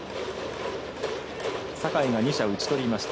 酒居が２者打ち取りました。